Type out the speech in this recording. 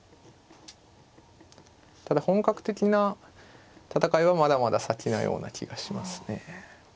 ただ本格的な戦いはまだまだ先なような気がしますね。